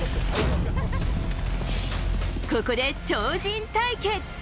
ここで超人対決！